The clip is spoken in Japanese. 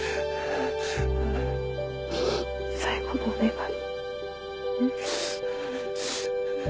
最後のお願い。